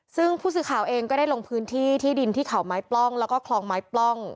ซึ่งผู้สื่อข่าวเองก็ได้ลงพื้นที่ที่ดินที่เขาไม้ปล้องแล้วก็คลองไม้ปล้อง